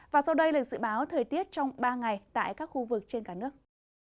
và sau đây là dự báo thời tiết trong ba ngày tại các khu vực trên cả nước